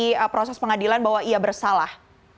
yang nanti terbukti dari proses pengadilan bahwa ia bersalah